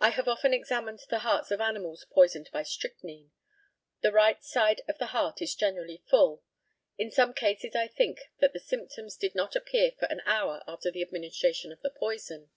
I have often examined the hearts of animals poisoned by strychnine. The right side of the heart is generally full. In some cases I think that the symptoms did not appear for an hour after the administration of the poison.